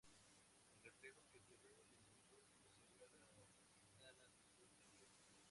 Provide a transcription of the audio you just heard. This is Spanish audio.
El reflejo que se ve en el ojo sería la ventana de su taller.